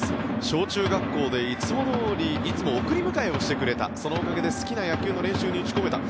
小中学校でいつも送り迎えをしてくれたそのおかげで好きな野球の練習に打ち込めた。